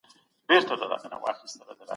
کله چي دښمن د يوه قوم محل اشغال کړي.